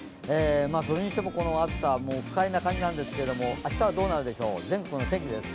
それにしてもこの暑さ、不快な感じなんですけど明日はどうなるでしょう、全国の天気です。